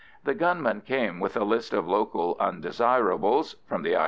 The gunmen came with a list of local undesirables (from the I.